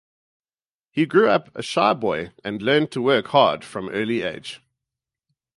He grew up a shy boy and learned to work hard from early age.